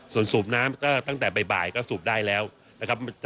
ส่วนสูบน้ำก็ตั้งแต่บ่ายก็สูบได้แล้วนะครับ